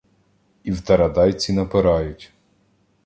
І в тарадайці напирають